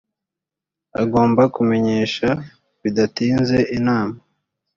agomba kumenyesha bidatinze inama